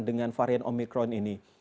dengan varian omikron ini